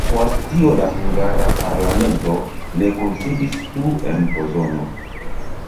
Post tio la hungara parlamento ne kunsidis plu en Pozono.